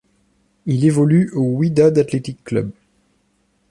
Il évolue au Wydad Athletic Club.